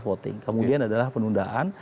voting kemudian adalah penundaan